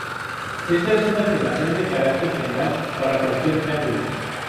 Esta es una afirmación de carácter general para cualquier triángulo.